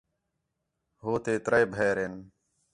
ہُو تے ترے بھیئر ہین